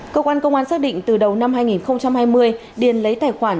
cơ quan công an xác định từ đầu năm hai nghìn hai mươi điền lấy tài khoản